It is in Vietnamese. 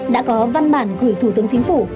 đã có văn bản gửi thủ tướng chính phủ